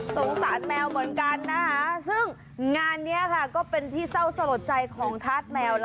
โต่งสาญแมวเหมือนกันซึ่งงานนี้ก็เป็นที่เศร้าสะลดใจของทาสแมว